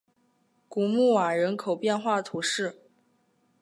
古穆瓦人口变化图示